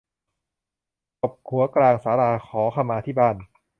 ตบหัวกลางศาลา ขอขมาที่บ้าน